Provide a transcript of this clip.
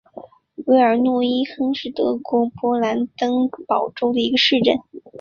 韦尔诺伊亨是德国勃兰登堡州的一个市镇。